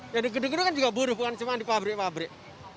ya di gedung gedung kan juga buruh bukan cuma di pabrik pabrik